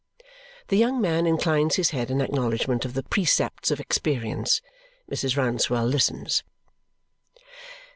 The young man inclines his head in acknowledgment of the precepts of experience. Mrs. Rouncewell listens.